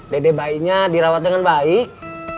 dede bayinya dirawat dengan baik